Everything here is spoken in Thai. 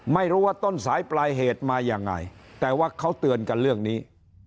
ไม่รู้ว่าต้นสายปลายเหตุมายังไงแต่ว่าเขาเตือนกันเรื่องนี้